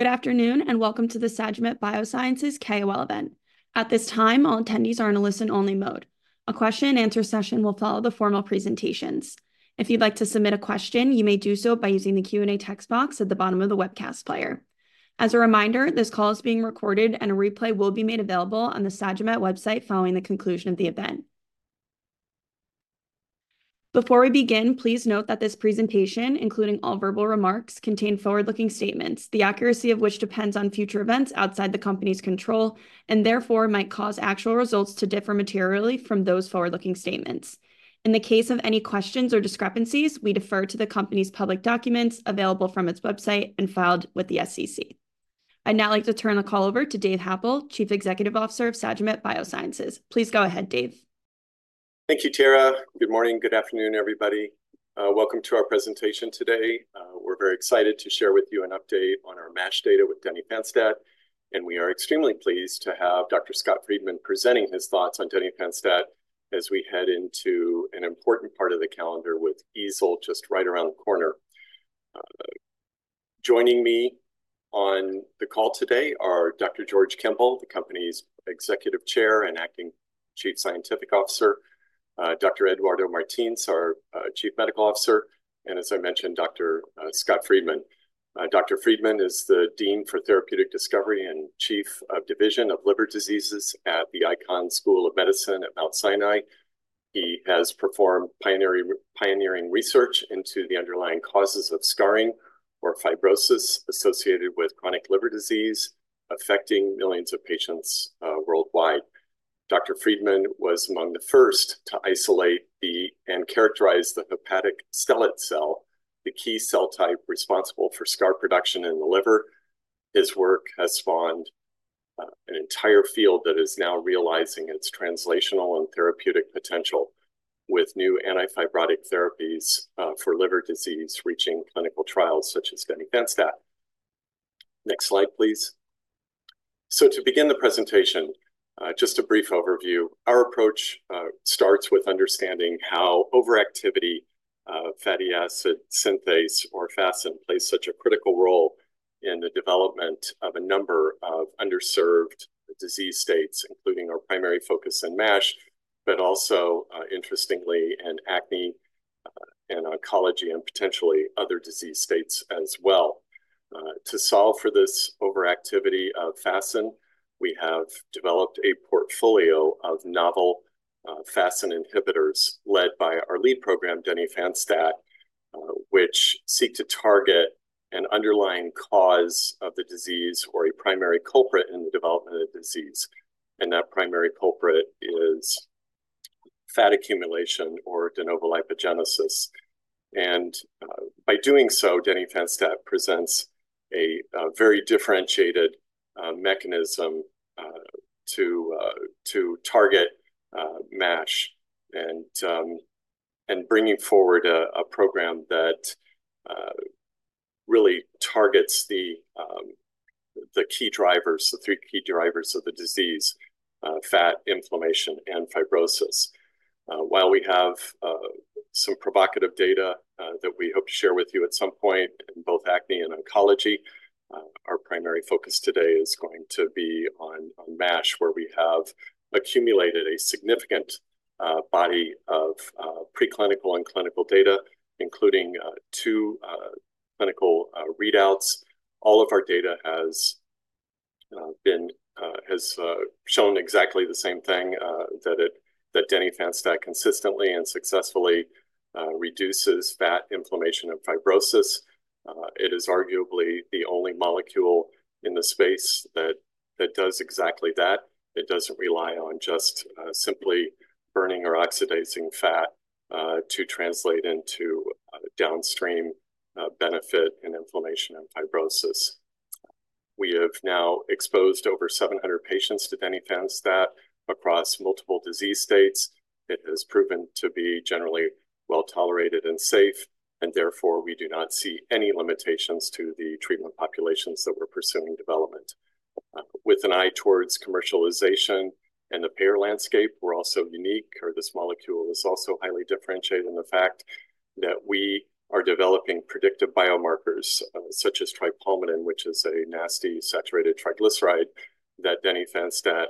Good afternoon, and welcome to the Sagimet Biosciences KOL event. At this time, all attendees are in a listen-only mode. A question and answer session will follow the formal presentations. If you'd like to submit a question, you may do so by using the Q&A text box at the bottom of the webcast player. As a reminder, this call is being recorded, and a replay will be made available on the Sagimet website following the conclusion of the event. Before we begin, please note that this presentation, including all verbal remarks, contain forward-looking statements, the accuracy of which depends on future events outside the company's control, and therefore might cause actual results to differ materially from those forward-looking statements. In the case of any questions or discrepancies, we defer to the company's public documents available from its website and filed with the SEC. I'd now like to turn the call over to Dave Happel, Chief Executive Officer of Sagimet Biosciences. Please go ahead, Dave. Thank you, Tara. Good morning. Good afternoon, everybody. Welcome to our presentation today. We're very excited to share with you an update on our MASH data with denifanstat, and we are extremely pleased to have Dr. Scott Friedman presenting his thoughts on denifanstat as we head into an important part of the calendar with EASL just right around the corner. Joining me on the call today are Dr. George Kemble, the company's Executive Chair and acting Chief Scientific Officer, Dr. Eduardo Martins, our Chief Medical Officer, and as I mentioned, Dr. Scott Friedman. Dr. Friedman is the Dean for Therapeutic Discovery and Chief of Division of Liver Diseases at the Icahn School of Medicine at Mount Sinai. He has performed pioneering, pioneering research into the underlying causes of scarring or fibrosis associated with chronic liver disease, affecting millions of patients worldwide. Dr. Friedman was among the first to isolate the... and characterize the hepatic stellate cell, the key cell type responsible for scar production in the liver. His work has spawned an entire field that is now realizing its translational and therapeutic potential, with new antifibrotic therapies for liver disease, reaching clinical trials such as denifanstat. Next slide, please. So to begin the presentation, just a brief overview. Our approach starts with understanding how overactivity of fatty acid synthase, or FASN, plays such a critical role in the development of a number of underserved disease states, including our primary focus in MASH, but also, interestingly, in acne, in oncology, and potentially other disease states as well. To solve for this overactivity of FASN, we have developed a portfolio of novel FASN inhibitors, led by our lead program, denifanstat, which seek to target an underlying cause of the disease or a primary culprit in the development of the disease. That primary culprit is fat accumulation or de novo lipogenesis. By doing so, denifanstat presents a very differentiated mechanism to target MASH and bringing forward a program that really targets the key drivers, the three key drivers of the disease: fat, inflammation, and fibrosis. While we have some provocative data that we hope to share with you at some point in both acne and oncology, our primary focus today is going to be on MASH, where we have accumulated a significant body of preclinical and clinical data, including two clinical readouts. All of our data has shown exactly the same thing that denifanstat consistently and successfully reduces fat, inflammation, and fibrosis. It is arguably the only molecule in the space that does exactly that. It doesn't rely on just simply burning or oxidizing fat to translate into a downstream benefit in inflammation and fibrosis. We have now exposed over 700 patients to denifanstat across multiple disease states. It has proven to be generally well-tolerated and safe, and therefore, we do not see any limitations to the treatment populations that we're pursuing development. With an eye towards commercialization and the payer landscape, we're also unique, or this molecule is also highly differentiated in the fact that we are developing predictive biomarkers, such as tripalmitin, which is a nasty saturated triglyceride, that denifanstat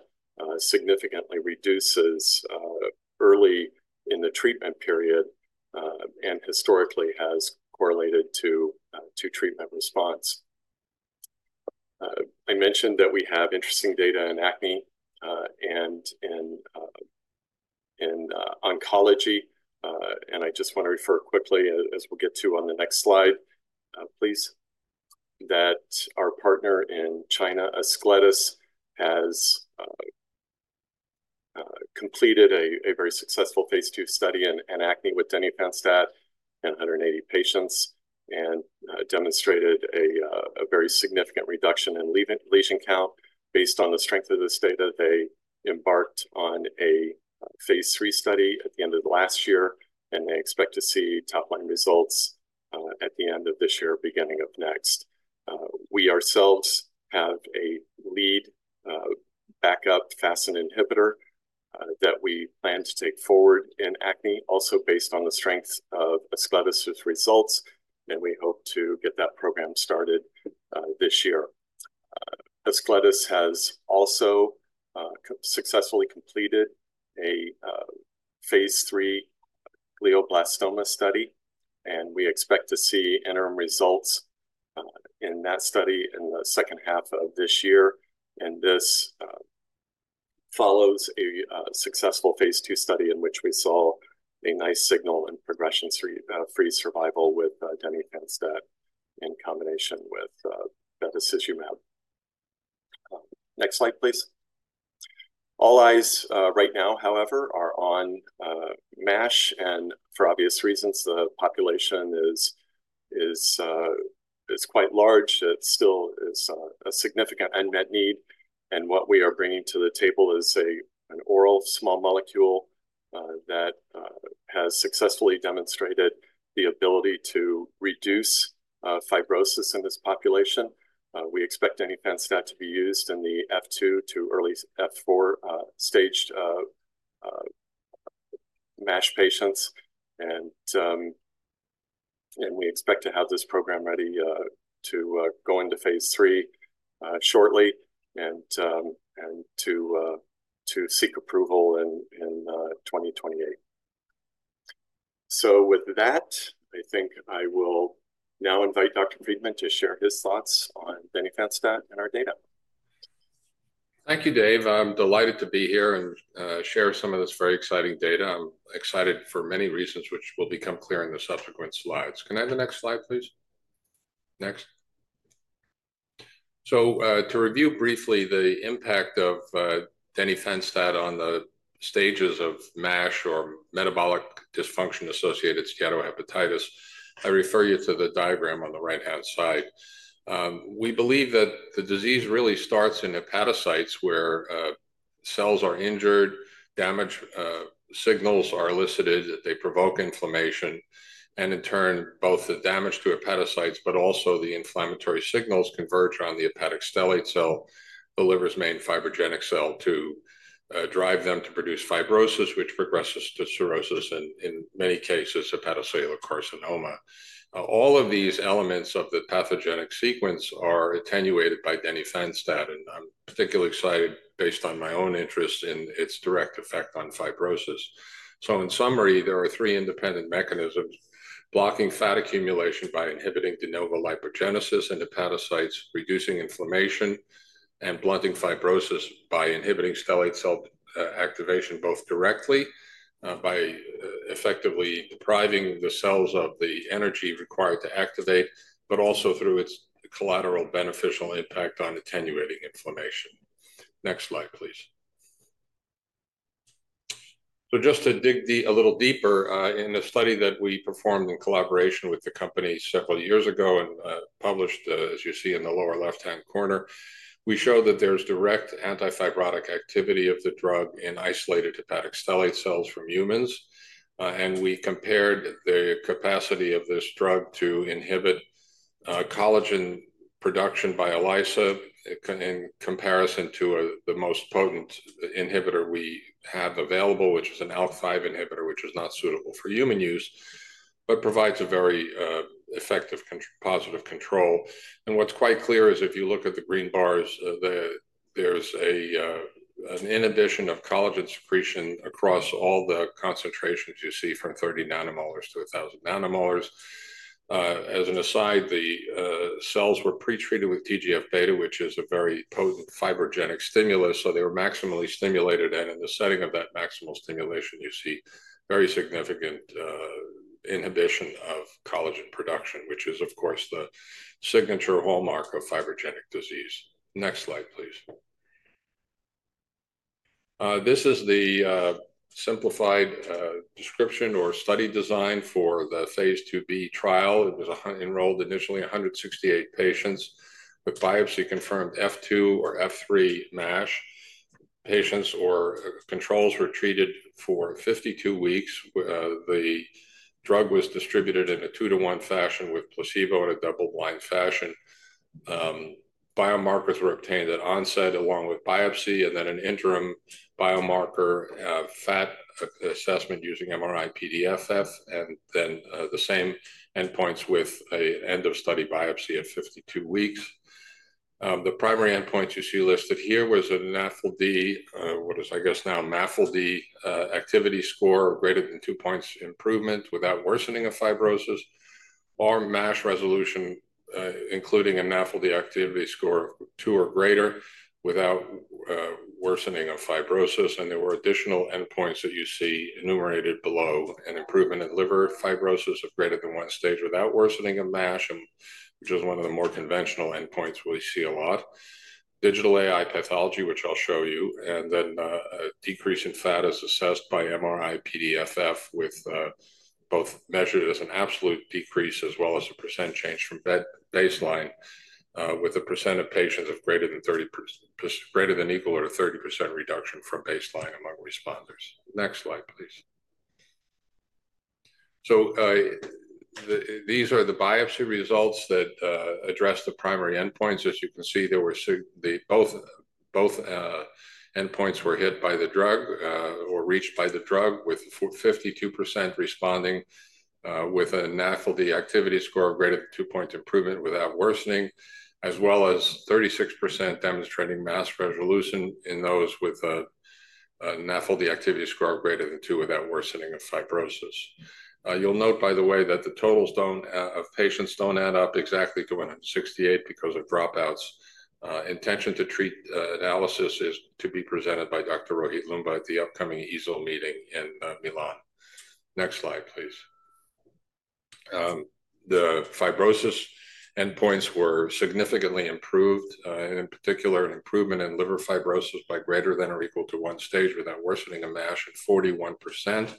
significantly reduces, early in the treatment period, and historically has correlated to treatment response. I mentioned that we have interesting data in acne, and in oncology. and I just want to refer quickly, as we'll get to on the next slide, please, that our partner in China, Ascletis, has completed a very successful phase 2 study in acne with denifanstat in 180 patients, and demonstrated a very significant reduction in lesion count. Based on the strength of this data, they embarked on a phase 3 study at the end of last year, and they expect to see top-line results at the end of this year, beginning of next. We ourselves have a lead backup FASN inhibitor that we plan to take forward in acne, also based on the strength of Ascletis' results, and we hope to get that program started this year. Ascletis has also successfully completed a phase 3 glioblastoma study, and we expect to see interim results in that study in the second half of this year. This follows a successful phase 2 study in which we saw a nice signal in progression-free survival with denifanstat in combination with bevacizumab. Next slide, please. All eyes right now, however, are on MASH, and for obvious reasons, the population is quite large. It still is a significant unmet need, and what we are bringing to the table is an oral small molecule that has successfully demonstrated the ability to reduce fibrosis in this population. We expect denifanstat to be used in the F2 to early F4 staged MASH patients. We expect to have this program ready to seek approval in 2028. So with that, I think I will now invite Dr. Friedman to share his thoughts on denifanstat and our data. Thank you, Dave. I'm delighted to be here and share some of this very exciting data. I'm excited for many reasons, which will become clear in the subsequent slides. Can I have the next slide, please? Next. So, to review briefly the impact of denifanstat on the stages of MASH or metabolic dysfunction-associated steatohepatitis, I refer you to the diagram on the right-hand side. We believe that the disease really starts in hepatocytes, where cells are injured, damage signals are elicited, they provoke inflammation, and in turn, both the damage to hepatocytes, but also the inflammatory signals converge on the hepatic stellate cell, the liver's main fibrogenic cell, to drive them to produce fibrosis, which progresses to cirrhosis and, in many cases, hepatocellular carcinoma. All of these elements of the pathogenic sequence are attenuated by denifanstat, and I'm particularly excited, based on my own interest in its direct effect on fibrosis. So in summary, there are three independent mechanisms: blocking fat accumulation by inhibiting de novo lipogenesis and hepatocytes, reducing inflammation, and blunting fibrosis by inhibiting stellate cell activation, both directly by effectively depriving the cells of the energy required to activate, but also through its collateral beneficial impact on attenuating inflammation. Next slide, please. So just to dig deep, a little deeper, in a study that we performed in collaboration with the company several years ago and published, as you see in the lower left-hand corner, we show that there's direct anti-fibrotic activity of the drug in isolated hepatic stellate cells from humans. We compared the capacity of this drug to inhibit collagen production by ELISA in comparison to the most potent inhibitor we have available, which is an ALK5 inhibitor, which is not suitable for human use, but provides a very effective positive control. What's quite clear is if you look at the green bars, there's an inhibition of collagen secretion across all the concentrations you see from 30 nanomolars to 1,000 nanomolars. As an aside, the cells were pretreated with TGF-beta, which is a very potent fibrogenic stimulus, so they were maximally stimulated, and in the setting of that maximal stimulation, you see very significant inhibition of collagen production, which is, of course, the signature hallmark of fibrogenic disease. Next slide, please. This is the simplified description or study design for the phase 2b trial. It was enrolled initially 168 patients with biopsy-confirmed F2 or F3 MASH. Patients or controls were treated for 52 weeks, where the drug was distributed in a 2-to-1 fashion with placebo in a double-blind fashion. Biomarkers were obtained at onset, along with biopsy, and then an interim biomarker fat assessment using MRI PDFF, and then the same endpoints with an end of study biopsy at 52 weeks. The primary endpoints you see listed here was a NAFLD, what is, I guess, now MAFLD, activity score greater than 2 points improvement without worsening of fibrosis, or MASH resolution, including a MAFLD activity score of 2 or greater without worsening of fibrosis. There were additional endpoints that you see enumerated below, an improvement in liver fibrosis of greater than 1 stage without worsening of MASH, and which is one of the more conventional endpoints we see a lot. Digital AI pathology, which I'll show you, and then, a decrease in fat as assessed by MRI PDFF, with, both measured as an absolute decrease, as well as a percent change from baseline, with a percent of patients of greater than 30%, greater than or equal to a 30% reduction from baseline among responders. Next slide, please... So, these are the biopsy results that address the primary endpoints. As you can see, there were both endpoints hit by the drug or reached by the drug, with 52% responding with a NAFLD activity score of greater than 2-point improvement without worsening, as well as 36% demonstrating MASH resolution in those with a NAFLD activity score of greater than 2 without worsening of fibrosis. You'll note, by the way, that the totals of patients don't add up exactly to 168 because of dropouts. Intention-to-treat analysis is to be presented by Dr. Rohit Loomba at the upcoming EASL meeting in Milan. Next slide, please. The fibrosis endpoints were significantly improved, and in particular, an improvement in liver fibrosis by greater than or equal to one stage without worsening of MASH at 41%,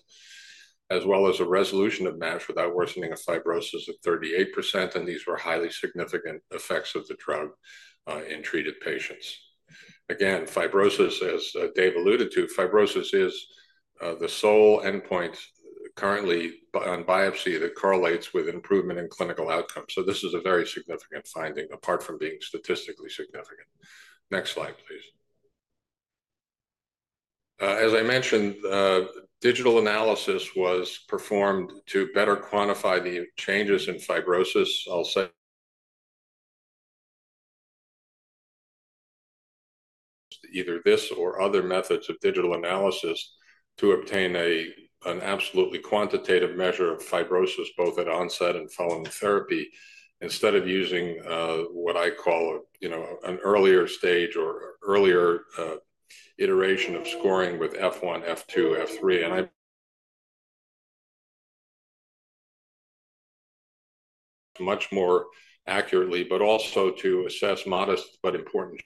as well as a resolution of MASH without worsening of fibrosis at 38%, and these were highly significant effects of the drug, in treated patients. Again, fibrosis, as Dave alluded to, fibrosis is the sole endpoint currently on biopsy that correlates with improvement in clinical outcomes. So this is a very significant finding, apart from being statistically significant. Next slide, please. As I mentioned, digital analysis was performed to better quantify the changes in fibrosis. I'll say either this or other methods of digital analysis to obtain an absolutely quantitative measure of fibrosis, both at onset and following the therapy, instead of using what I call, you know, an earlier stage or earlier iteration of scoring with F1, F2, F3. Much more accurately, but also to assess modest but important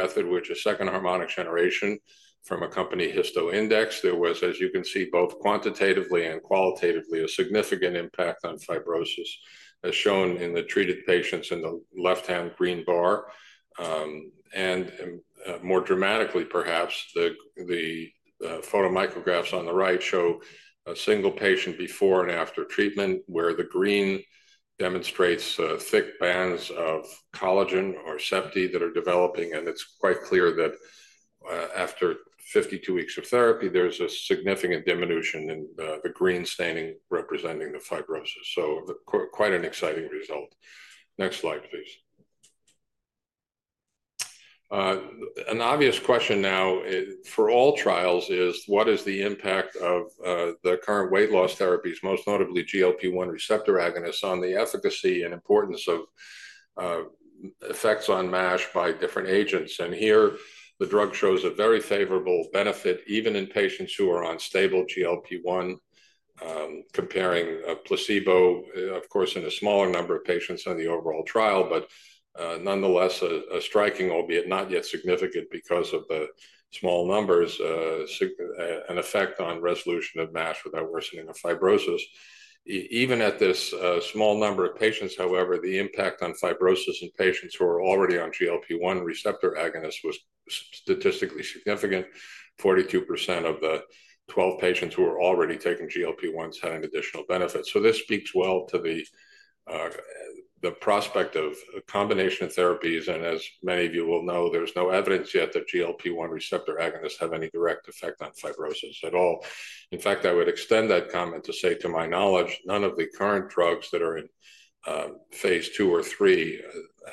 method, which is second harmonic generation from a company, HistoIndex. There was, as you can see, both quantitatively and qualitatively, a significant impact on fibrosis, as shown in the treated patients in the left-hand green bar. And more dramatically, perhaps, the photomicrographs on the right show a single patient before and after treatment, where the green demonstrates thick bands of collagen or septa that are developing. It's quite clear that, after 52 weeks of therapy, there's a significant diminution in the green staining representing the fibrosis. Quite an exciting result. Next slide, please. An obvious question now, for all trials is: What is the impact of the current weight loss therapies, most notably GLP-1 receptor agonists, on the efficacy and importance of effects on MASH by different agents? Here the drug shows a very favorable benefit, even in patients who are on stable GLP-1, comparing a placebo, of course, in a smaller number of patients on the overall trial, but nonetheless, a striking, albeit not yet significant, because of the small numbers, an effect on resolution of MASH without worsening of fibrosis. Even at this small number of patients, however, the impact on fibrosis in patients who are already on GLP-1 receptor agonist was statistically significant. 42% of the 12 patients who were already taking GLP-1s had an additional benefit. So this speaks well to the prospect of combination therapies, and as many of you will know, there's no evidence yet that GLP-1 receptor agonists have any direct effect on fibrosis at all. In fact, I would extend that comment to say, to my knowledge, none of the current drugs that are in phase 2 or 3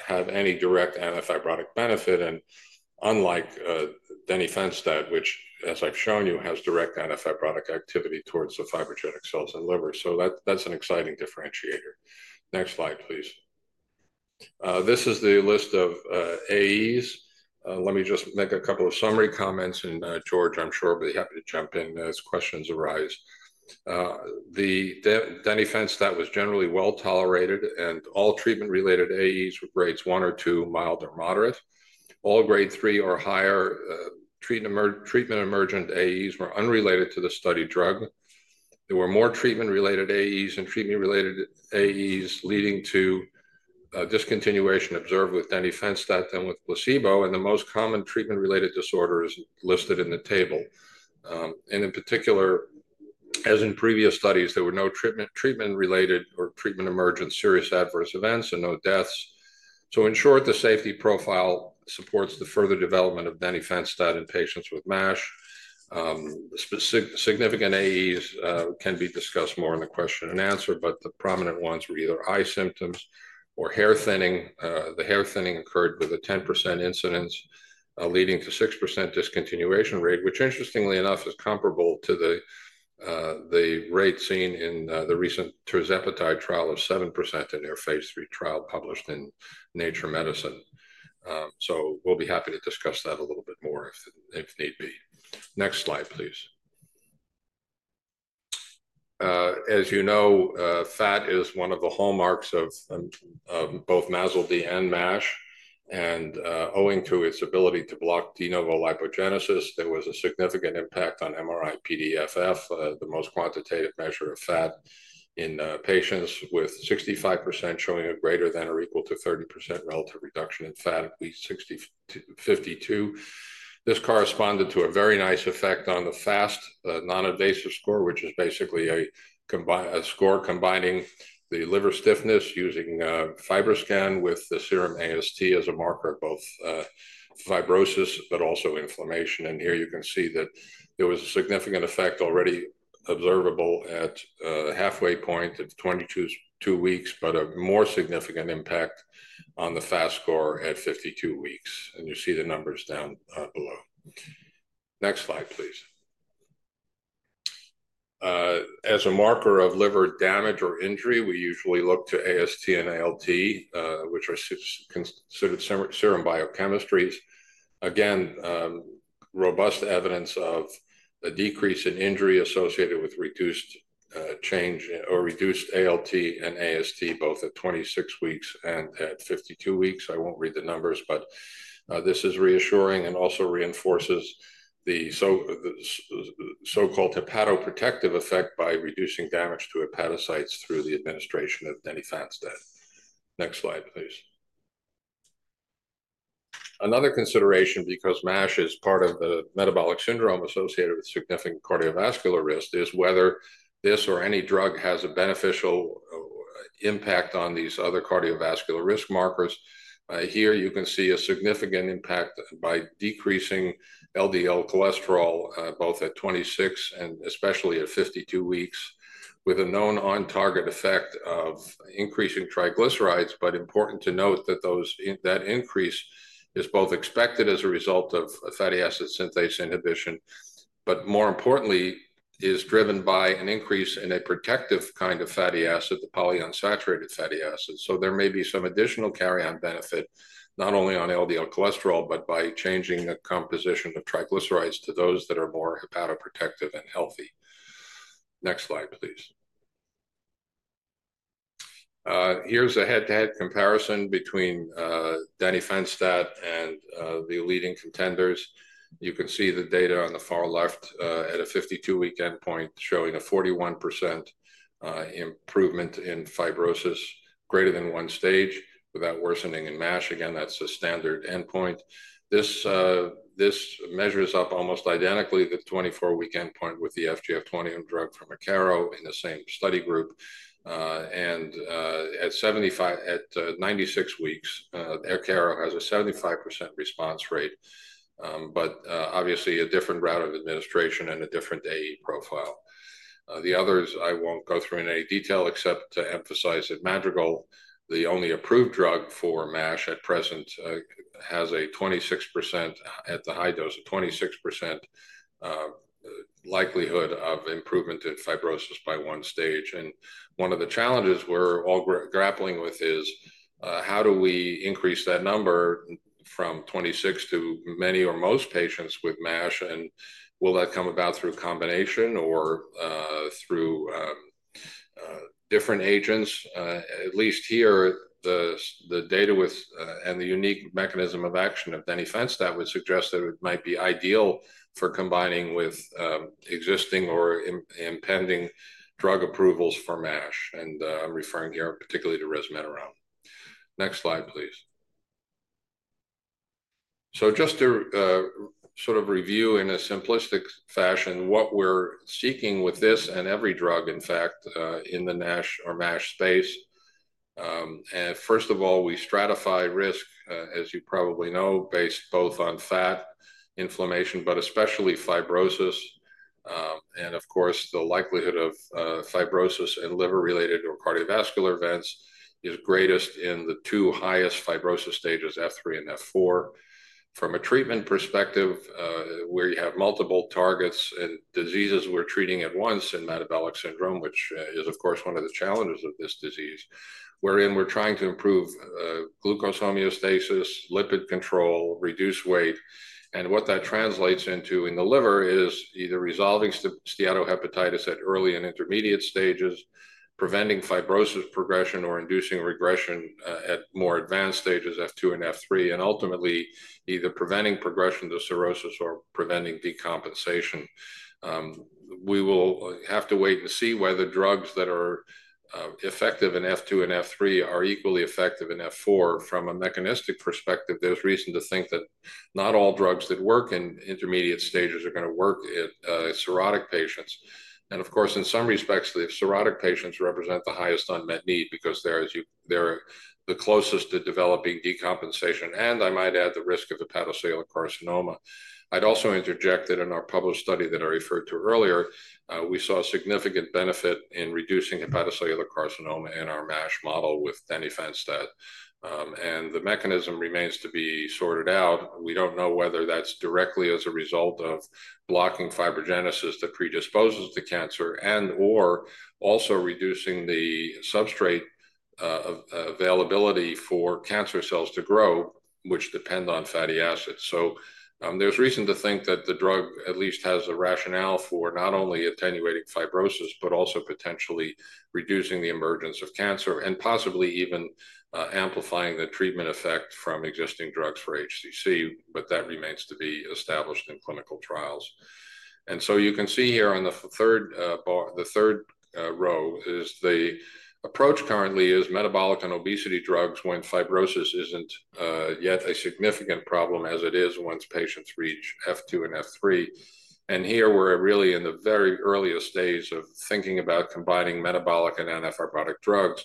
have any direct antifibrotic benefit. And unlike denifanstat, which, as I've shown you, has direct antifibrotic activity towards the fibrogenic cells in liver. So that's an exciting differentiator. Next slide, please. This is the list of AEs. Let me just make a couple of summary comments, and George, I'm sure, will be happy to jump in as questions arise. The denifanstat was generally well-tolerated, and all treatment-related AEs were grades 1 or 2, mild or moderate. All grade 3 or higher treatment-emergent AEs were unrelated to the study drug. There were more treatment-related AEs and treatment-related AEs, leading to discontinuation observed with denifanstat than with placebo, and the most common treatment-related disorders listed in the table. And in particular, as in previous studies, there were no treatment-related or treatment-emergent serious adverse events and no deaths. So in short, the safety profile supports the further development of denifanstat in patients with MASH. Significant AEs can be discussed more in the question and answer, but the prominent ones were either eye symptoms or hair thinning. The hair thinning occurred with a 10% incidence, leading to 6% discontinuation rate, which, interestingly enough, is comparable to the, the rate seen in, the recent tirzepatide trial of 7% in their phase 3 trial published in Nature Medicine. So we'll be happy to discuss that a little bit more if, if need be. Next slide, please. As you know, fat is one of the hallmarks of, both MASLD and MASH, and, owing to its ability to block de novo lipogenesis, there was a significant impact on MRI PDFF, the most quantitative measure of fat in, patients with 65% showing a greater than or equal to 30% relative reduction in fat, at least 60 to 52. This corresponded to a very nice effect on the FAST non-invasive score, which is basically a score combining the liver stiffness using FibroScan with the serum AST as a marker of both fibrosis but also inflammation. And here you can see that there was a significant effect already observable at the halfway point at 22 weeks, but a more significant impact on the FAST score at 52 weeks, and you see the numbers down below. Next slide, please. As a marker of liver damage or injury, we usually look to AST and ALT, which are considered serum biochemistries. Again, robust evidence of a decrease in injury associated with reduced change or reduced ALT and AST, both at 26 weeks and at 52 weeks. I won't read the numbers, but this is reassuring and also reinforces the so-called hepatoprotective effect by reducing damage to hepatocytes through the administration of denifanstat. Next slide, please. Another consideration, because MASH is part of the metabolic syndrome associated with significant cardiovascular risk, is whether this or any drug has a beneficial impact on these other cardiovascular risk markers. Here you can see a significant impact by decreasing LDL cholesterol both at 26 and especially at 52 weeks, with a known on-target effect of increasing triglycerides. But important to note that that increase is both expected as a result of fatty acid synthase inhibition, but more importantly, is driven by an increase in a protective kind of fatty acid, the polyunsaturated fatty acids. So there may be some additional carry-on benefit, not only on LDL cholesterol, but by changing the composition of triglycerides to those that are more hepatoprotective and healthy. Next slide, please. Here's a head-to-head comparison between denifanstat and the leading contenders. You can see the data on the far left, at a 52-week endpoint, showing a 41% improvement in fibrosis greater than one stage without worsening in MASH. Again, that's a standard endpoint. This measures up almost identically, the 24-week endpoint with the FGF21 drug from Akero in the same study group. And at 96 weeks, Akero has a 75% response rate. But obviously a different route of administration and a different AE profile. The others I won't go through in any detail, except to emphasize that Madrigal, the only approved drug for MASH at present, has a 26%, at the high dose, a 26% likelihood of improvement in fibrosis by one stage. One of the challenges we're all grappling with is, how do we increase that number from 26 to many or most patients with MASH? And will that come about through combination or through different agents? At least here, the data with and the unique mechanism of action of denifanstat would suggest that it might be ideal for combining with existing or impending drug approvals for MASH. And I'm referring here particularly to resmetirom. Next slide, please. So just to sort of review in a simplistic fashion, what we're seeking with this and every drug, in fact, in the NASH or MASH space. And first of all, we stratify risk, as you probably know, based both on fat, inflammation, but especially fibrosis. And of course, the likelihood of fibrosis and liver-related or cardiovascular events is greatest in the two highest fibrosis stages, F3 and F4. From a treatment perspective, where you have multiple targets and diseases we're treating at once in metabolic syndrome, which is of course, one of the challenges of this disease. Wherein we're trying to improve glucose homeostasis, lipid control, reduce weight. What that translates into in the liver is either resolving steatohepatitis at early and intermediate stages, preventing fibrosis progression or inducing regression at more advanced stages, F2 and F3, and ultimately, either preventing progression to cirrhosis or preventing decompensation. We will have to wait and see whether drugs that are effective in F2 and F3 are equally effective in F4. From a mechanistic perspective, there's reason to think that not all drugs that work in intermediate stages are gonna work in cirrhotic patients. Of course, in some respects, the cirrhotic patients represent the highest unmet need because they're the closest to developing decompensation, and I might add, the risk of hepatocellular carcinoma. I'd also interject that in our published study that I referred to earlier, we saw a significant benefit in reducing hepatocellular carcinoma in our MASH model with denifanstat. And the mechanism remains to be sorted out. We don't know whether that's directly as a result of blocking fibrogenesis that predisposes the cancer and/or also reducing the substrate, of, availability for cancer cells to grow, which depend on fatty acids. So, there's reason to think that the drug at least has a rationale for not only attenuating fibrosis, but also potentially reducing the emergence of cancer, and possibly even, amplifying the treatment effect from existing drugs for HCC, but that remains to be established in clinical trials. And so you can see here on the third bar, the third row, is the approach currently is metabolic and obesity drugs when fibrosis isn't yet a significant problem as it is once patients reach F2 and F3. And here, we're really in the very earliest days of thinking about combining metabolic and antifibrotic drugs.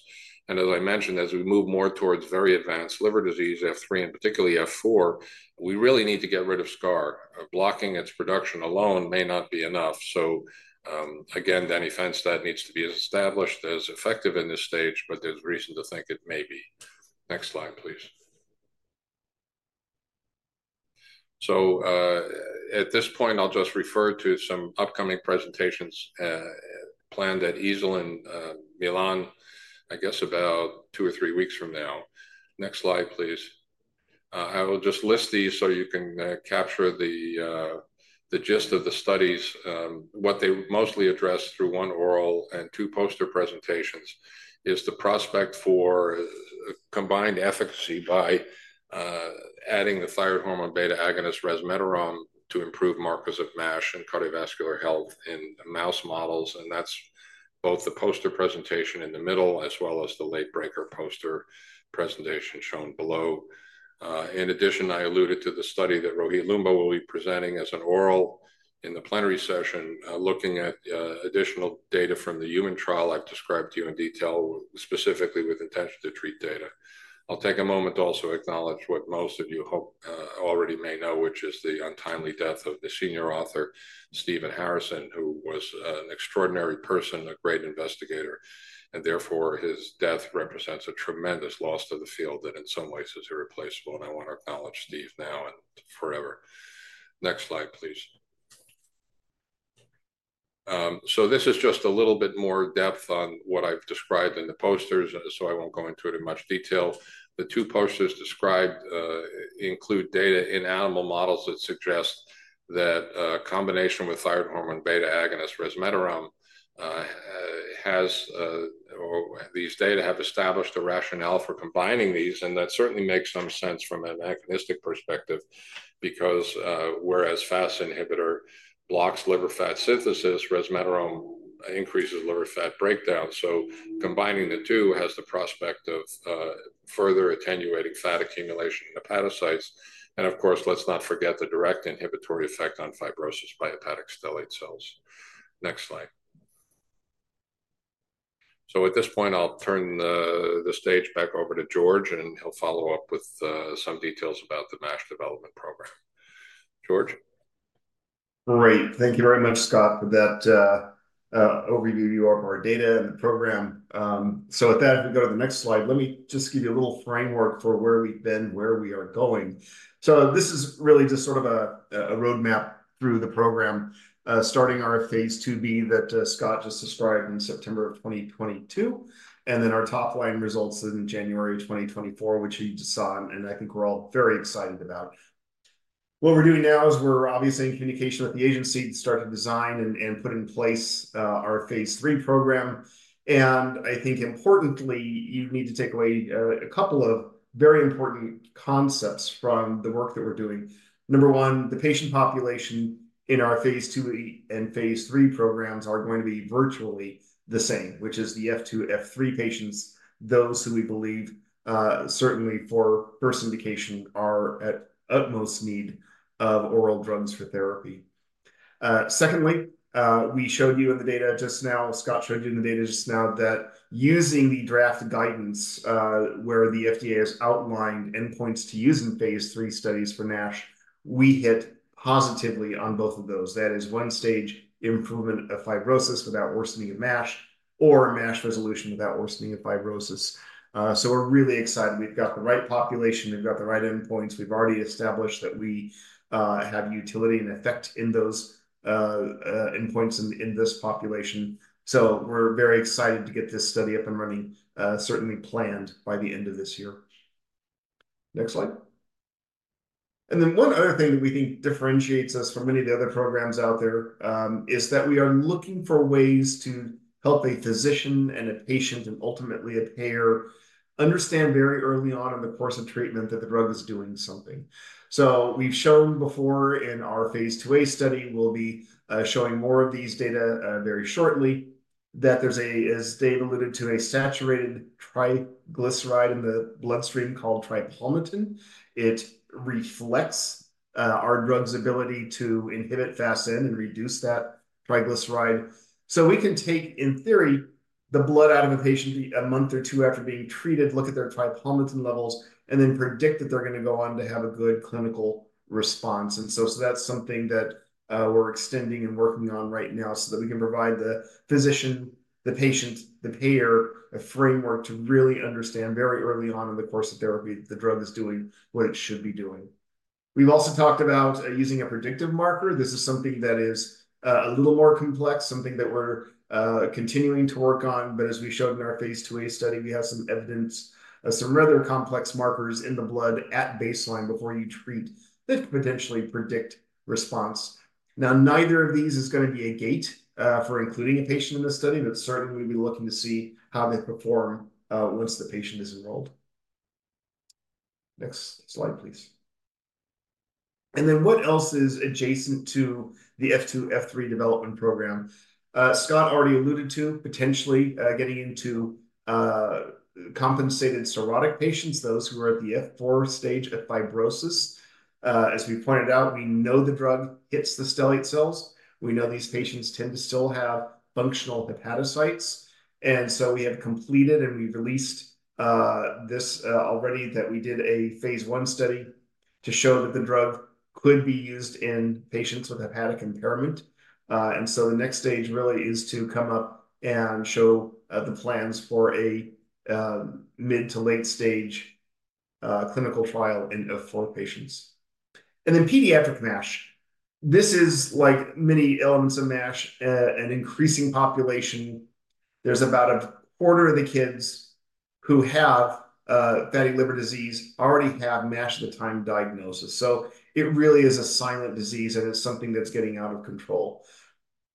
And as I mentioned, as we move more towards very advanced liver disease, F3 and particularly F4, we really need to get rid of scar. Blocking its production alone may not be enough. So, again, antifibrosis that needs to be established as effective in this stage, but there's reason to think it may be. Next slide, please. At this point, I'll just refer to some upcoming presentations planned at EASL in Milan, I guess, about two or three weeks from now. Next slide, please. I will just list these so you can capture the gist of the studies. What they mostly address through one oral and two poster presentations is the prospect for combined efficacy by adding the thyroid hormone beta agonist resmetirom to improve markers of MASH and cardiovascular health in mouse models, and that's both the poster presentation in the middle, as well as the late breaker poster presentation shown below. In addition, I alluded to the study that Rohit Loomba will be presenting as an oral in the plenary session, looking at additional data from the human trial I've described to you in detail, specifically with intention to treat data. I'll take a moment to also acknowledge what most of you hope already may know, which is the untimely death of the senior author, Stephen Harrison, who was an extraordinary person, a great investigator, and therefore, his death represents a tremendous loss to the field that in some ways is irreplaceable, and I want to acknowledge Steve now and forever. Next slide, please. So this is just a little bit more depth on what I've described in the posters, so I won't go into it in much detail. The two posters described include data in animal models that suggest that combination with thyroid hormone beta agonist resmetirom has or these data have established a rationale for combining these, and that certainly makes some sense from a mechanistic perspective, because whereas FAS inhibitor blocks liver fat synthesis, resmetirom increases liver fat breakdown. So combining the two has the prospect of further attenuating fat accumulation in hepatocytes. And of course, let's not forget the direct inhibitory effect on fibrosis by hepatic stellate cells. Next slide. So at this point, I'll turn the stage back over to George, and he'll follow up with some details about the MASH development program. George? Great. Thank you very much, Scott, for that overview of our data and the program. So with that, if we go to the next slide, let me just give you a little framework for where we've been, where we are going. So this is really just sort of a roadmap through the program, starting our Phase 2b that Scott just described in September of 2022, and then our top line results in January 2024, which you just saw, and I think we're all very excited about. What we're doing now is we're obviously in communication with the agency to start to design and put in place our Phase 3 program. And I think importantly, you need to take away a couple of very important concepts from the work that we're doing. Number one, the patient population in our phase 2a and phase 3 programs are going to be virtually the same, which is the F2, F3 patients, those who we believe certainly for first indication, are at utmost need of oral drugs for therapy. Secondly, we showed you in the data just now, Scott showed you in the data just now that using the draft guidance, where the FDA has outlined endpoints to use in phase 3 studies for MASH, we hit positively on both of those. That is one stage improvement of fibrosis without worsening of MASH, or MASH resolution without worsening of fibrosis. So we're really excited. We've got the right population, we've got the right endpoints. We've already established that we have utility and effect in those endpoints in this population. So we're very excited to get this study up and running, certainly planned by the end of this year. Next slide. And then one other thing that we think differentiates us from many of the other programs out there, is that we are looking for ways to help a physician and a patient, and ultimately a payer, understand very early on in the course of treatment that the drug is doing something. So we've shown before in our phase 2a study, we'll be showing more of these data very shortly, that there's a, as Dave alluded to, a saturated triglyceride in the bloodstream called tripalmitin. It reflects our drug's ability to inhibit FASN and reduce that triglyceride. So we can take, in theory, the blood out of a patient a month or two after being treated, look at their tripalmitin levels, and then predict that they're going to go on to have a good clinical response. And so, so that's something that we're extending and working on right now so that we can provide the physician, the patient, the payer, a framework to really understand very early on in the course of therapy, the drug is doing what it should be doing. We've also talked about using a predictive marker. This is something that is a little more complex, something that we're continuing to work on. But as we showed in our phase IIa study, we have some evidence of some rather complex markers in the blood at baseline before you treat that could potentially predict response. Now, neither of these is gonna be a gate for including a patient in this study, but certainly, we'll be looking to see how they perform once the patient is enrolled. Next slide, please. And then what else is adjacent to the F2, F3 development program? Scott already alluded to potentially getting into compensated cirrhotic patients, those who are at the F4 stage of fibrosis. As we pointed out, we know the drug hits the stellate cells. We know these patients tend to still have functional hepatocytes. And so we have completed, and we've released this already, that we did a phase I study to show that the drug could be used in patients with hepatic impairment. And so the next stage really is to come up and show the plans for a mid to late stage clinical trial in F4 patients. And then pediatric MASH. This is like many elements of MASH, an increasing population. There's about a quarter of the kids who have fatty liver disease already have MASH at the time diagnosis. So it really is a silent disease, and it's something that's getting out of control.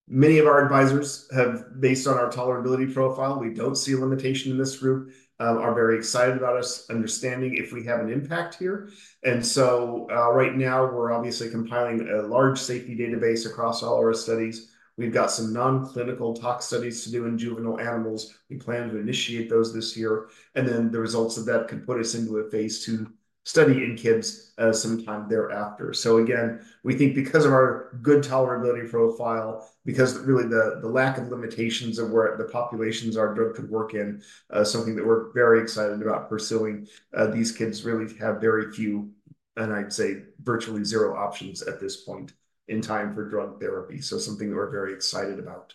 Many of our advisors have, based on our tolerability profile, we don't see a limitation in this group, are very excited about us understanding if we have an impact here. And so, right now, we're obviously compiling a large safety database across all our studies. We've got some non-clinical tox studies to do in juvenile animals. We plan to initiate those this year, and then the results of that could put us into a phase II study in kids sometime thereafter. So again, we think because of our good tolerability profile, because really the lack of limitations of where the populations our drug could work in, something that we're very excited about pursuing. These kids really have very few, and I'd say virtually zero options at this point in time for drug therapy. So something that we're very excited about.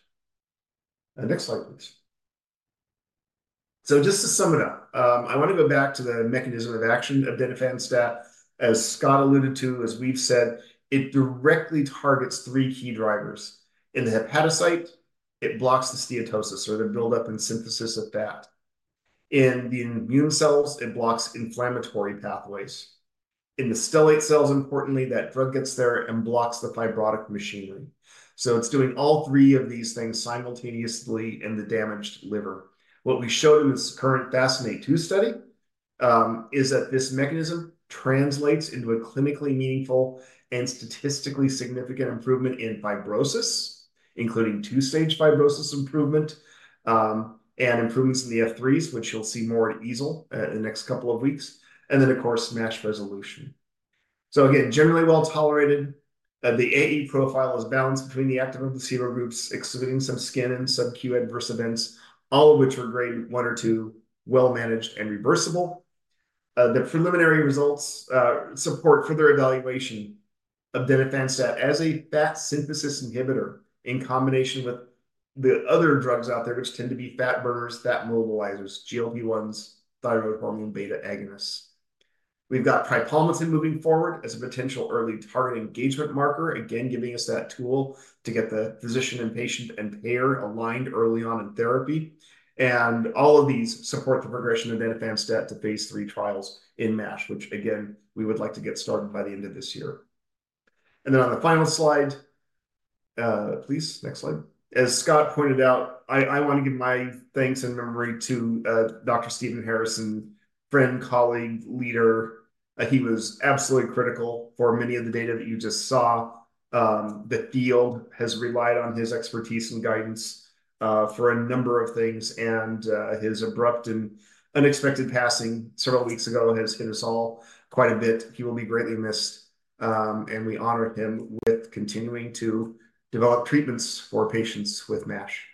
Next slide, please. So just to sum it up, I want to go back to the mechanism of action of denifanstat. As Scott alluded to, as we've said, it directly targets three key drivers. In the hepatocyte, it blocks the steatosis or the buildup and synthesis of fat. In the immune cells, it blocks inflammatory pathways. In the stellate cells, importantly, that drug gets there and blocks the fibrotic machinery. So it's doing all three of these things simultaneously in the damaged liver. What we showed in this current FASCINATE-2 study is that this mechanism translates into a clinically meaningful and statistically significant improvement in fibrosis, including two-stage fibrosis improvement, and improvements in the F3s, which you'll see more at EASL in the next couple of weeks, and then, of course, MASH resolution. So again, generally well-tolerated. The AE profile is balanced between the active and placebo groups, excluding some skin and sub-Q adverse events, all of which were grade one or two, well managed and reversible. The preliminary results support further evaluation of denifanstat as a fat synthesis inhibitor in combination with the other drugs out there, which tend to be fat burners, fat mobilizers, GLP-1s, thyroid hormone, beta agonists. We've got tripalmitin moving forward as a potential early target engagement marker, again, giving us that tool to get the physician and patient and payer aligned early on in therapy. And all of these support the progression of denifanstat to phase III trials in MASH, which, again, we would like to get started by the end of this year. And then on the final slide, please, next slide. As Scott pointed out, I, I want to give my thanks and memory to Dr. Stephen Harrison, friend, colleague, leader. He was absolutely critical for many of the data that you just saw. The field has relied on his expertise and guidance for a number of things, and his abrupt and unexpected passing several weeks ago has hit us all quite a bit. He will be greatly missed, and we honor him with continuing to develop treatments for patients with MASH.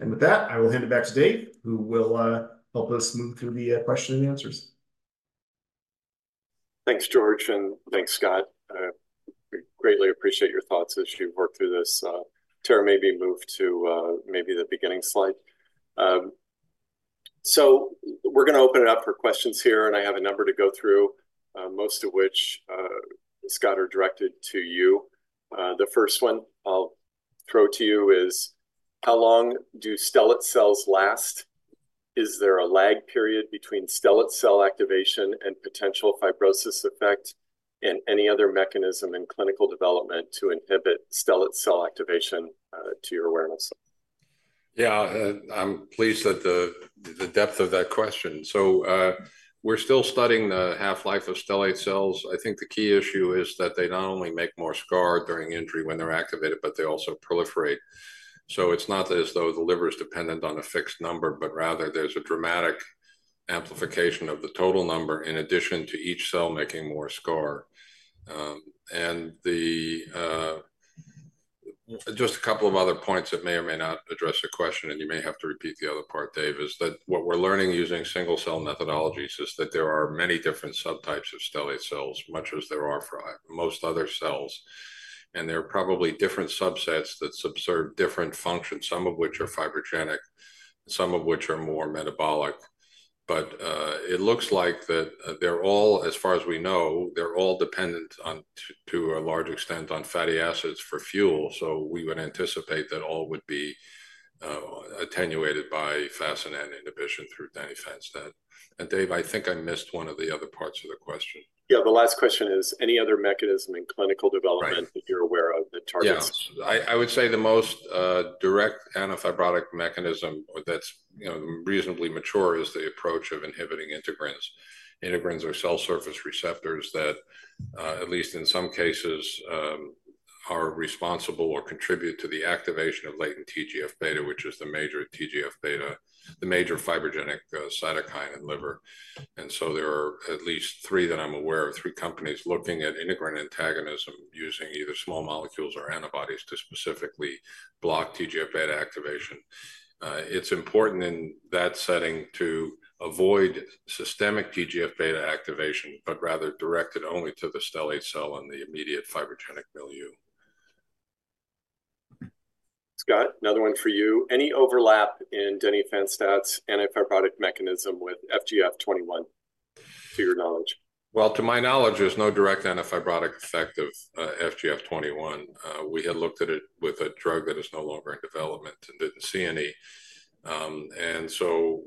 And with that, I will hand it back to Dave, who will help us move through the question and answers. Thanks, George, and thanks, Scott. We greatly appreciate your thoughts as you work through this. Tara, maybe move to, maybe the beginning slide. So we're gonna open it up for questions here, and I have a number to go through, most of which, Scott, are directed to you. The first one I'll throw to you is: How long do stellate cells last? Is there a lag period between stellate cell activation and potential fibrosis effect, and any other mechanism in clinical development to inhibit stellate cell activation, to your awareness? Yeah, I'm pleased that the depth of that question. So, we're still studying the half-life of stellate cells. I think the key issue is that they not only make more scar during injury when they're activated, but they also proliferate. So it's not as though the liver is dependent on a fixed number, but rather there's a dramatic amplification of the total number, in addition to each cell making more scar. Just a couple of other points that may or may not address your question, and you may have to repeat the other part, Dave, is that what we're learning using single-cell methodologies is that there are many different subtypes of stellate cells, much as there are for us... most other cells, and there are probably different subsets that serve different functions, some of which are fibrogenic, some of which are more metabolic. But, it looks like that they're all, as far as we know, they're all dependent on, to, to a large extent, on fatty acids for fuel. So we would anticipate that all would be attenuated by FASN inhibition through denifanstat. And Dave, I think I missed one of the other parts of the question. Yeah, the last question is, any other mechanism in clinical development? Right. that you're aware of that targets? Yeah. I would say the most direct antifibrotic mechanism or that's, you know, reasonably mature, is the approach of inhibiting integrins. Integrins are cell surface receptors that at least in some cases are responsible or contribute to the activation of latent TGF-beta, which is the major TGF-beta, the major fibrogenic cytokine in liver. And so there are at least three that I'm aware of, three companies looking at integrin antagonism, using either small molecules or antibodies to specifically block TGF-beta activation. It's important in that setting to avoid systemic TGF-beta activation, but rather direct it only to the stellate cell and the immediate fibrogenic milieu. Scott, another one for you. Any overlap in denifanstat's antifibrotic mechanism with FGF21, to your knowledge? Well, to my knowledge, there's no direct antifibrotic effect of FGF21. We had looked at it with a drug that is no longer in development and didn't see any. And so,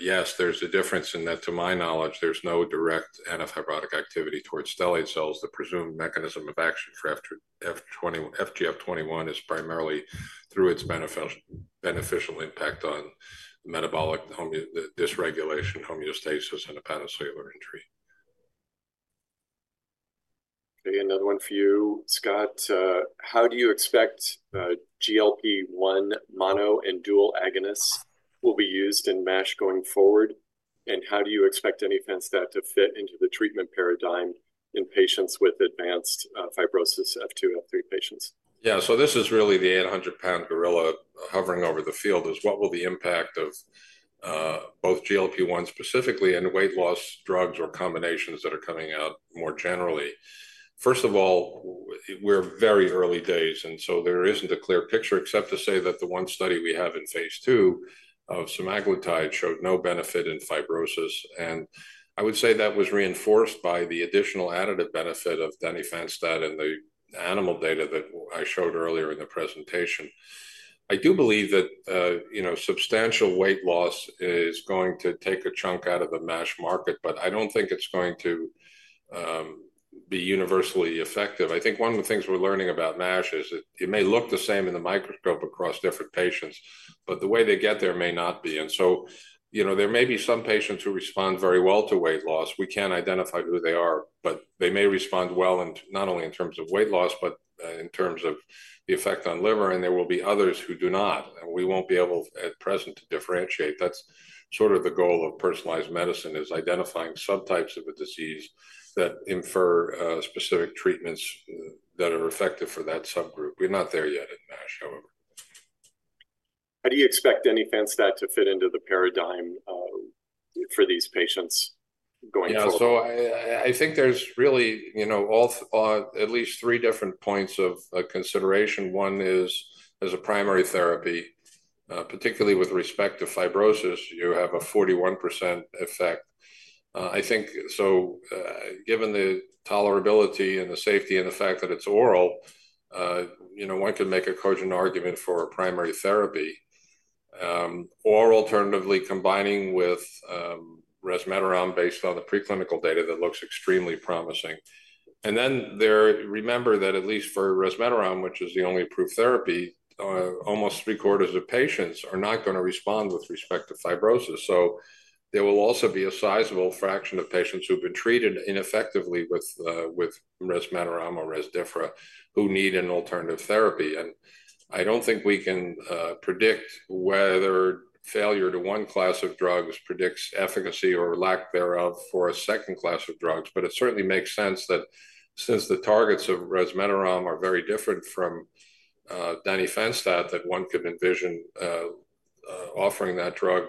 yes, there's a difference in that. To my knowledge, there's no direct antifibrotic activity towards stellate cells. The presumed mechanism of action for FGF21 is primarily through its beneficial impact on metabolic homeostasis and dysregulation and hepatocellular injury. Okay, another one for you, Scott. How do you expect GLP-1 mono and dual agonists will be used in MASH going forward? And how do you expect denifanstat to fit into the treatment paradigm in patients with advanced fibrosis F2, F3 patients? Yeah, so this is really the 800-pound gorilla hovering over the field, is what will the impact of both GLP-1 specifically and weight loss drugs or combinations that are coming out more generally? First of all, we're very early days, and so there isn't a clear picture, except to say that the one study we have in phase 2 of semaglutide showed no benefit in fibrosis. I would say that was reinforced by the additional additive benefit of denifanstat in the animal data that I showed earlier in the presentation. I do believe that, you know, substantial weight loss is going to take a chunk out of the MASH market, but I don't think it's going to be universally effective. I think one of the things we're learning about MASH is that it may look the same in the microscope across different patients, but the way they get there may not be. And so, you know, there may be some patients who respond very well to weight loss. We can't identify who they are, but they may respond well, and not only in terms of weight loss, but in terms of the effect on liver, and there will be others who do not, and we won't be able, at present, to differentiate. That's sort of the goal of personalized medicine, is identifying subtypes of a disease that infer specific treatments that are effective for that subgroup. We're not there yet in MASH, however. How do you expect denifanstat to fit into the paradigm, for these patients going forward? Yeah, so I think there's really, you know, at least three different points of consideration. One is, as a primary therapy, particularly with respect to fibrosis, you have a 41% effect. I think so, given the tolerability and the safety and the fact that it's oral, you know, one could make a cogent argument for a primary therapy. Or alternatively, combining with resmetirom based on the preclinical data that looks extremely promising. And then, remember that at least for resmetirom, which is the only approved therapy, almost three-quarters of patients are not gonna respond with respect to fibrosis. So there will also be a sizable fraction of patients who've been treated ineffectively with resmetirom or Rezdiffra, who need an alternative therapy. I don't think we can predict whether failure to one class of drugs predicts efficacy or lack thereof for a second class of drugs. But it certainly makes sense that since the targets of resmetirom are very different from denifanstat, that one could envision offering that drug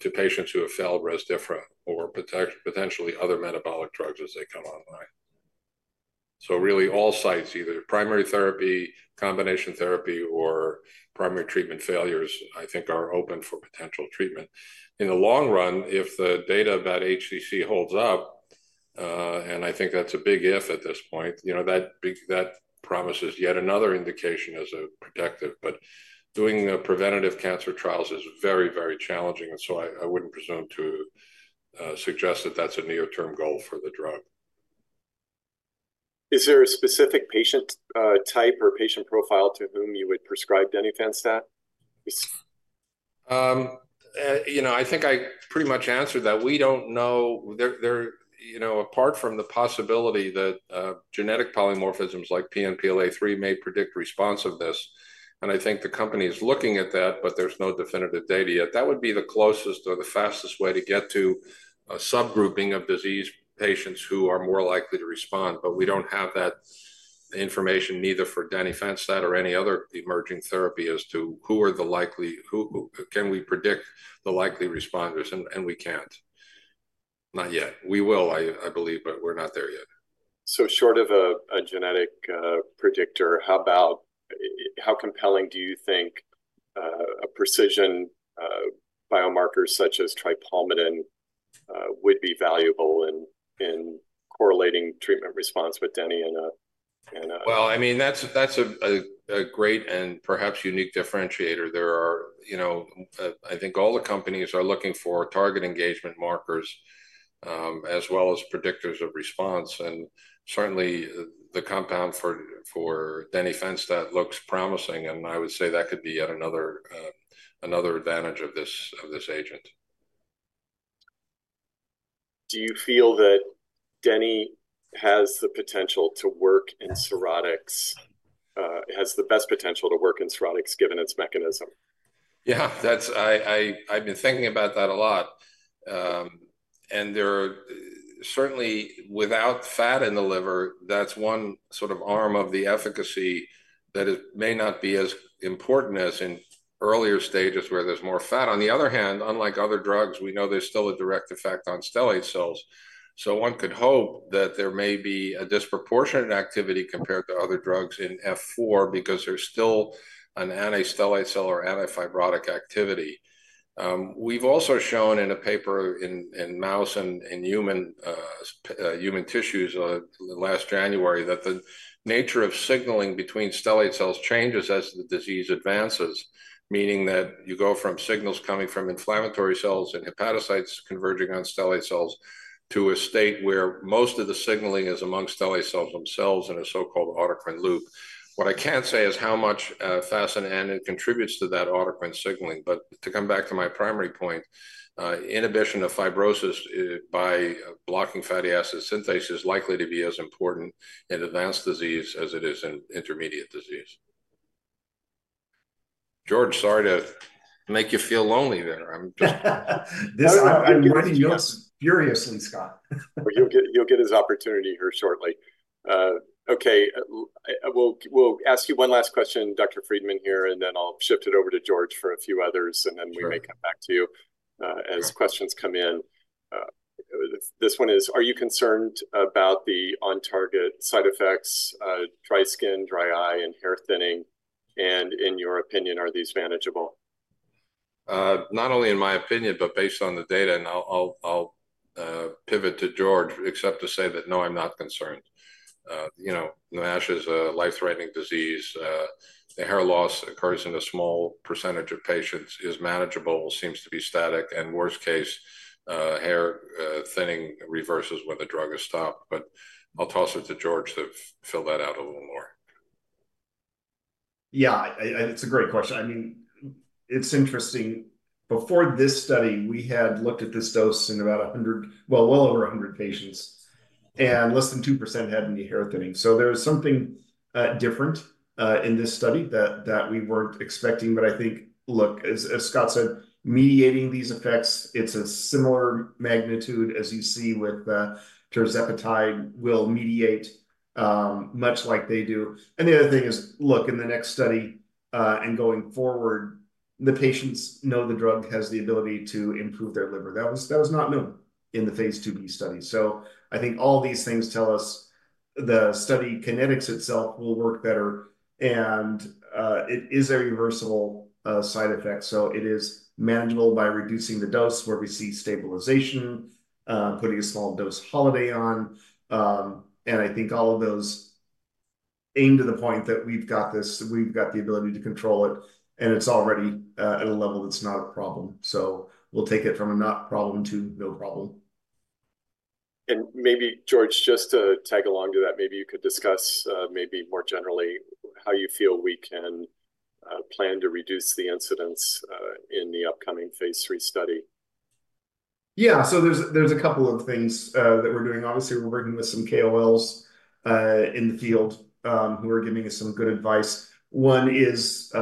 to patients who have failed Rezdiffra or potentially other metabolic drugs as they come online. So really, all sites, either primary therapy, combination therapy, or primary treatment failures, I think, are open for potential treatment. In the long run, if the data about HCC holds up, and I think that's a big if at this point, you know, that promises yet another indication as a protective. But doing the preventative cancer trials is very, very challenging, and so I wouldn't presume to suggest that that's a near-term goal for the drug. Is there a specific patient type or patient profile to whom you would prescribe denifanstat? You know, I think I pretty much answered that. We don't know. There you know, apart from the possibility that genetic polymorphisms like PNPLA3 may predict responsiveness, and I think the company is looking at that, but there's no definitive data yet. That would be the closest or the fastest way to get to a subgrouping of disease patients who are more likely to respond, but we don't have that information neither for denifanstat or any other emerging therapy as to who are the likely who can we predict the likely responders, and we can't. Not yet. We will, I believe, but we're not there yet. So short of a genetic predictor, how about how compelling do you think a precision biomarkers such as tripalmitin would be valuable in correlating treatment response with deni in a, in a- Well, I mean, that's a great and perhaps unique differentiator. There are, you know, I think all the companies are looking for target engagement markers, as well as predictors of response. And certainly, the compound for denifanstat looks promising, and I would say that could be yet another advantage of this agent. Do you feel that deni has the potential to work in cirrhotics, has the best potential to work in cirrhotics, given its mechanism? Yeah, that's- I've been thinking about that a lot. And there are certainly, without fat in the liver, that's one sort of arm of the efficacy that it may not be as important as in earlier stages where there's more fat. On the other hand, unlike other drugs, we know there's still a direct effect on stellate cells. So one could hope that there may be a disproportionate activity compared to other drugs in F4, because there's still an anti-stellate cell or anti-fibrotic activity. We've also shown in a paper in mouse and in human tissues last January, that the nature of signaling between stellate cells changes as the disease advances. Meaning that you go from signals coming from inflammatory cells and hepatocytes converging on stellate cells, to a state where most of the signaling is among stellate cells themselves in a so-called autocrine loop. What I can't say is how much, FASN contributes to that autocrine signaling. But to come back to my primary point, inhibition of fibrosis, by blocking fatty acid synthase is likely to be as important in advanced disease as it is in intermediate disease. George, sorry to make you feel lonely there. I'm just- No, I'm writing notes furiously, Scott. Well, you'll get, you'll get his opportunity here shortly. Okay, we'll ask you one last question, Dr. Friedman, here, and then I'll shift it over to George for a few others- Sure. and then we may come back to you, as questions come in. This one is: Are you concerned about the on-target side effects, dry skin, dry eye, and hair thinning? And in your opinion, are these manageable? Not only in my opinion, but based on the data, and I'll pivot to George, except to say that, no, I'm not concerned. You know, NASH is a life-threatening disease. The hair loss occurs in a small percentage of patients, is manageable, seems to be static, and worst case, hair thinning reverses when the drug is stopped. But I'll toss it to George to fill that out a little more. Yeah, and it's a great question. I mean, it's interesting. Before this study, we had looked at this dose in well over 100 patients, and less than 2% had any hair thinning. So there was something different in this study that we weren't expecting. But I think, look, as Scott said, mediating these effects, it's a similar magnitude as you see with tirzepatide will mediate, much like they do. And the other thing is, look, in the next study and going forward, the patients know the drug has the ability to improve their liver. That was not known in the phase 2b study. So I think all these things tell us the study kinetics itself will work better, and it is a reversible side effect. So it is manageable by reducing the dose where we see stabilization, putting a small dose holiday on. And I think all of those aim to the point that we've got the ability to control it, and it's already, at a level that's not a problem. So we'll take it from a not problem to no problem. Maybe, George, just to tag along to that, maybe you could discuss, maybe more generally, how you feel we can plan to reduce the incidence in the upcoming phase 3 study. Yeah. So there's a couple of things that we're doing. Obviously, we're working with some KOLs in the field who are giving us some good advice. One is,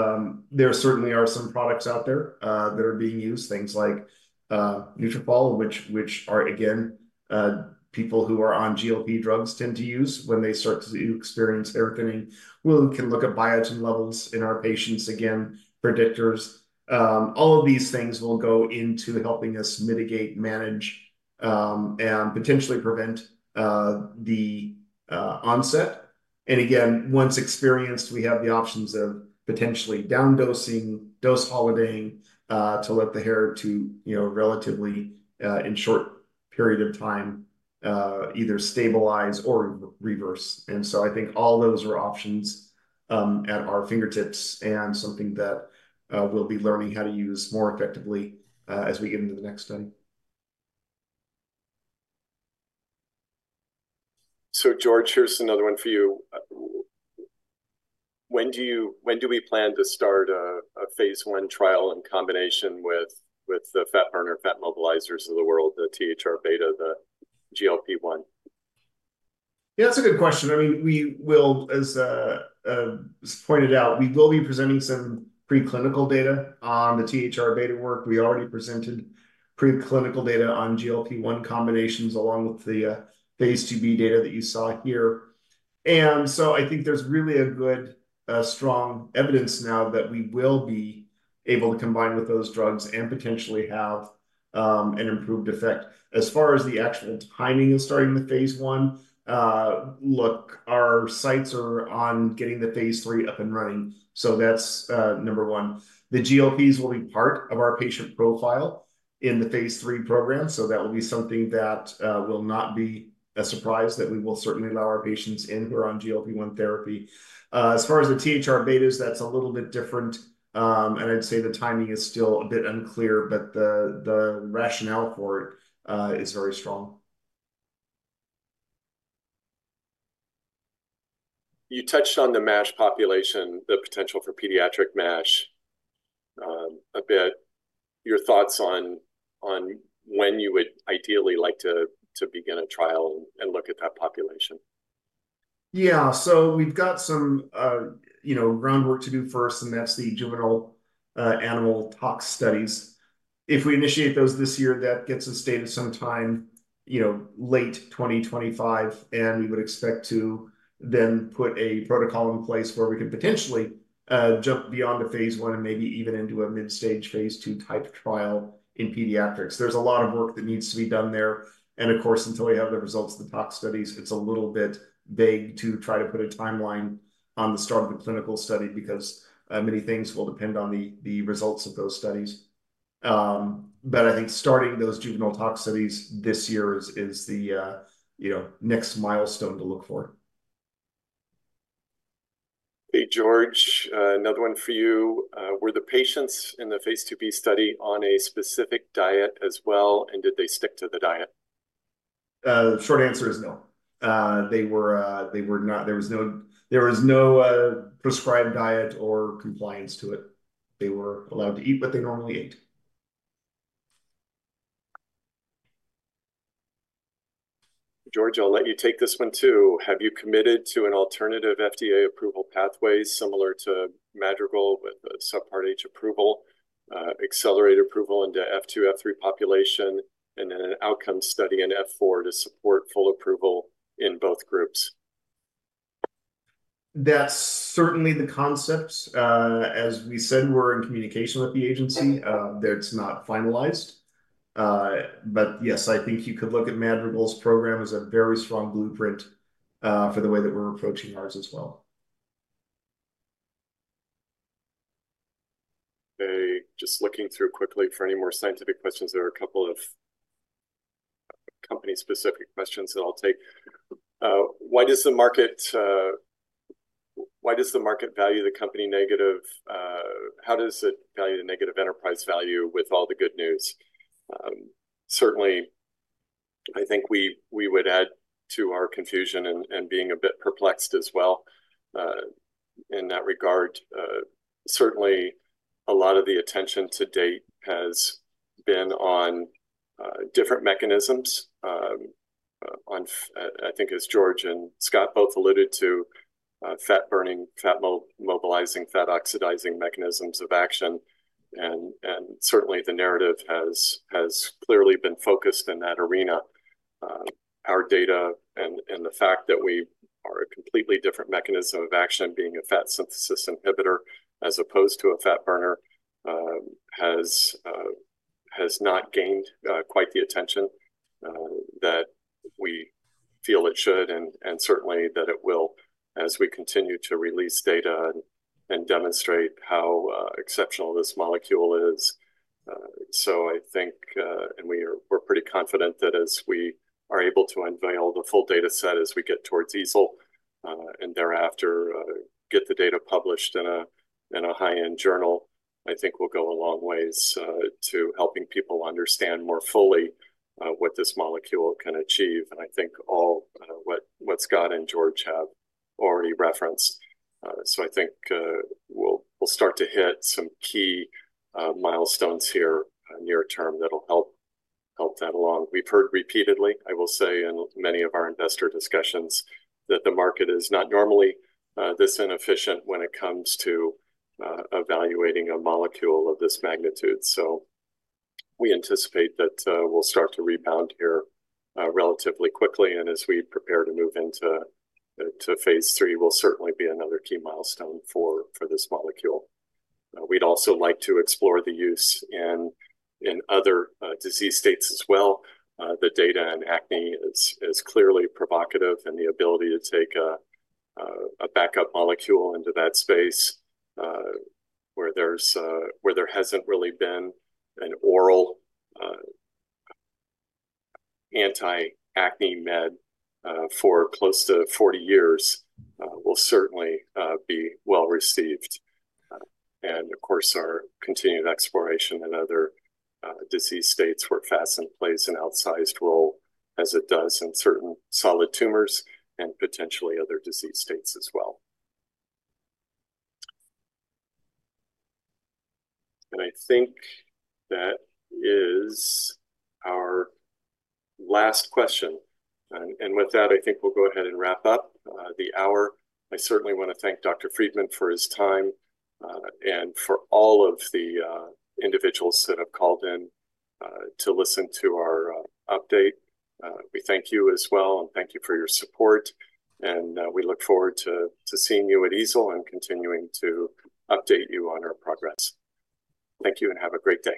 there certainly are some products out there that are being used, things like, Nutrafol, which are again, people who are on GLP drugs tend to use when they start to experience hair thinning. We can look at biotin levels in our patients, again, predictors. All of these things will go into helping us mitigate, manage, and potentially prevent the onset. And again, once experienced, we have the options of potentially down dosing, dose holidaying, to let the hair to, you know, relatively, in short period of time, either stabilize or reverse. And so I think all those are options at our fingertips and something that we'll be learning how to use more effectively as we get into the next study. So, George, here's another one for you. When do we plan to start a phase I trial in combination with the fat burner, fat mobilizers of the world, the THR-beta, the GLP-1? Yeah, that's a good question. I mean, we will, as pointed out, we will be presenting some preclinical data on the THR-beta work. We already presented preclinical data on GLP-1 combinations, along with the phase 2b data that you saw here. And so I think there's really a good strong evidence now that we will be able to combine with those drugs and potentially have an improved effect. As far as the actual timing of starting the phase 1, look, our sights are on getting the phase 3 up and running, so that's number one. The GLPs will be part of our patient profile in the phase 3 program, so that will be something that will not be a surprise, that we will certainly allow our patients in who are on GLP-1 therapy. As far as the THR-betas, that's a little bit different. I'd say the timing is still a bit unclear, but the rationale for it is very strong. You touched on the MASH population, the potential for pediatric MASH, a bit. Your thoughts on when you would ideally like to begin a trial and look at that population? Yeah. So we've got some, you know, groundwork to do first, and that's the juvenile animal tox studies. If we initiate those this year, that gets us dated sometime, you know, late 2025, and we would expect to then put a protocol in place where we could potentially jump beyond a phase 1 and maybe even into a mid-stage phase 2-type trial in pediatrics. There's a lot of work that needs to be done there, and of course, until we have the results of the tox studies, it's a little bit vague to try to put a timeline on the start of the clinical study because many things will depend on the results of those studies. But I think starting those juvenile tox studies this year is the, you know, next milestone to look for. Hey, George, another one for you. Were the patients in the phase 2b study on a specific diet as well, and did they stick to the diet? The short answer is no. They were not. There was no prescribed diet or compliance to it. They were allowed to eat what they normally ate. George, I'll let you take this one, too. Have you committed to an alternative FDA approval pathway similar to Madrigal, with a Subpart H approval, accelerated approval into F2, F3 population, and then an outcome study in F4 to support full approval in both groups? That's certainly the concepts. As we said, we're in communication with the agency. That's not finalized. But yes, I think you could look at Madrigal's program as a very strong blueprint, for the way that we're approaching ours as well. Okay, just looking through quickly for any more scientific questions. There are a couple of company-specific questions that I'll take. Why does the market value the company negative? How does it value the negative enterprise value with all the good news? Certainly, I think we would add to our confusion and being a bit perplexed as well in that regard. Certainly, a lot of the attention to date has been on different mechanisms. I think as George and Scott both alluded to, fat burning, fat mobilizing, fat oxidizing mechanisms of action, and certainly the narrative has clearly been focused in that arena. Our data and the fact that we are a completely different mechanism of action, being a fat synthesis inhibitor as opposed to a fat burner, has not gained quite the attention that we feel it should, and certainly that it will, as we continue to release data and demonstrate how exceptional this molecule is. So I think, and we're pretty confident that as we are able to unveil the full data set as we get towards EASL, and thereafter, get the data published in a high-end journal, I think will go a long ways to helping people understand more fully what this molecule can achieve, and I think what Scott and George have already referenced. So I think we'll start to hit some key milestones here near term that'll help that along. We've heard repeatedly, I will say in many of our investor discussions, that the market is not normally this inefficient when it comes to evaluating a molecule of this magnitude. So we anticipate that we'll start to rebound here relatively quickly, and as we prepare to move into phase 3, will certainly be another key milestone for this molecule. We'd also like to explore the use in other disease states as well. The data in acne is clearly provocative, and the ability to take a backup molecule into that space, where there hasn't really been an oral anti-acne med for close to 40 years, will certainly be well-received. And of course, our continued exploration in other disease states where FASN plays an outsized role, as it does in certain solid tumors and potentially other disease states as well. And I think that is our last question, and with that, I think we'll go ahead and wrap up the hour. I certainly want to thank Dr. Friedman for his time, and for all of the individuals that have called in to listen to our update. We thank you as well, and thank you for your support, and, we look forward to seeing you at EASL and continuing to update you on our progress. Thank you, and have a great day.